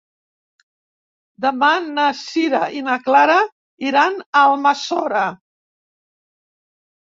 Demà na Sira i na Clara iran a Almassora.